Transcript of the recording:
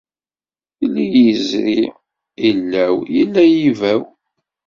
Yella yizri ilaw, yella yibaw